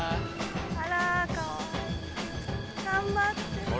あらかわいい頑張って。